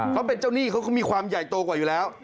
เขาเป็นเจ้าหนี้เขาก็มีความใหญ่โตกว่าอยู่แล้ว